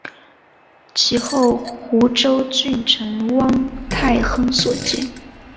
其后湖州郡丞汪泰亨所建。